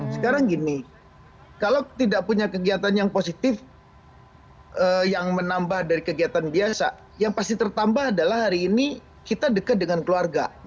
sekarang gini kalau tidak punya kegiatan yang positif yang menambah dari kegiatan biasa yang pasti tertambah adalah hari ini kita dekat dengan keluarga